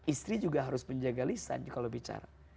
istri juga harus menjaga lisan kalau bicara